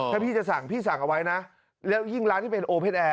ถ้าพี่จะสั่งพี่สั่งเอาไว้นะแล้วยิ่งร้านที่เป็นโอเพศแอร์